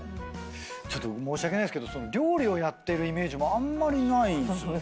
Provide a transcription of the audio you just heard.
ちょっと申し訳ないですけど料理をやってるイメージあんまりないんすよね。